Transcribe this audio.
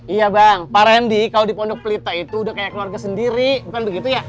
iya bang pak randy kalau di pondok pelita itu udah kayak keluarga sendiri bukan begitu ya